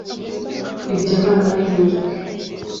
ibyo ni amahirwe